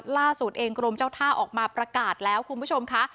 ล่าสุดเองกรมเจ้าท่าออกมาประกาศแล้วคุณผู้ชมค่ะ